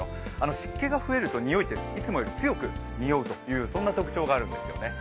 湿気が増えるとにおいっていつもより強くにおうという特徴があるんですね。